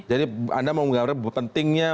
jadi anda menggambarkan pentingnya